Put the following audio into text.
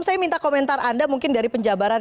saya minta komentar anda mungkin dari penjabaran